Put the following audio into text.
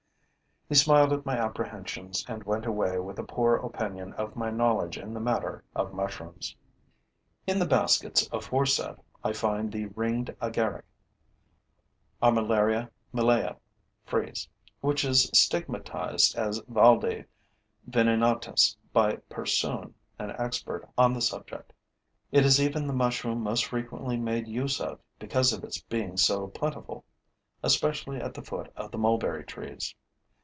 ] He smiled at my apprehensions and went away with a poor opinion of my knowledge in the matter of mushrooms. In the baskets aforesaid, I find the ringed agaric (Armillaria mellea, FRIES), which is stigmatized as valde venenatus by Persoon, an expert on the subject. It is even the mushroom most frequently made use of, because of its being so plentiful, especially at the foot of the mulberry trees.